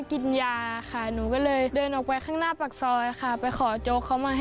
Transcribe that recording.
เขาก็เริ่มเป็นคนที่ทำงานหาเลี้ยงยาย